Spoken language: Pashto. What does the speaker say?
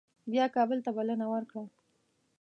بیا کابل ته بلنه ورکړه.